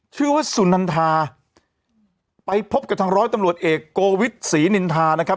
ชื่อว่าสุนันทาไปพบกับทางร้อยตำรวจเอกโกวิทย์ศรีนินทานะครับ